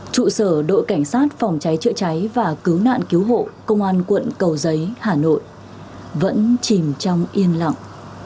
trụ sở đội cảnh sát phòng cháy chữa cháy và cứu nạn cứu hộ công an quận cầu giấy hà nội vẫn chìm trong yên lặng